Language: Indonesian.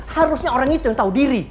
harusnya orang itu yang tahu diri